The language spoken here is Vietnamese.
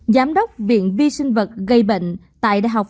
giám đốc viện vi sinh vật